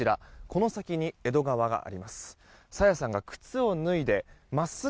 この先に江戸川があります。